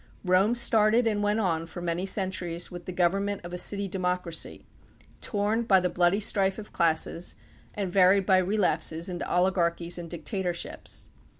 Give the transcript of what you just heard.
Rome started and went on for many centuries with the government of a city democracy torn by the bloody strife of classes and varied by relapses into oligarchies and dictatorships.